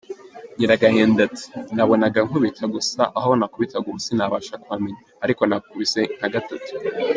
Nyiragahinda ati: “Nabonaga nkubita gusa, aho nakubitaga ubu sinabasha kuhamenya, ariko nakubise nka gatatu”.